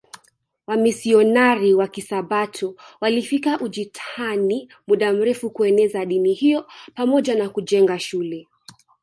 Wamisionari wa Kisabato walifika Ujitani muda mrefu kueneza dini hiyo pamoja na kujenga shule